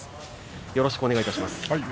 よろしくお願いします。